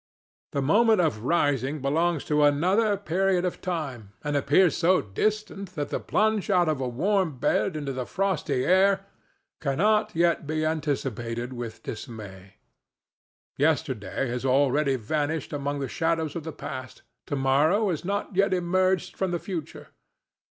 The moment of rising belongs to another period of time, and appears so distant that the plunge out of a warm bed into the frosty air cannot yet be anticipated with dismay. Yesterday has already vanished among the shadows of the past; to morrow has not yet emerged from the future.